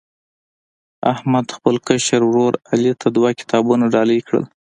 احمد خپل کشر ورر علي ته دوه کتابونه ډالۍ کړل.